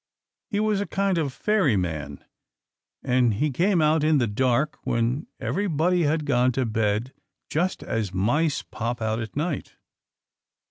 He was a kind of fairy man, and he came out in the dark, when everybody had gone to bed, just as mice pop out at night.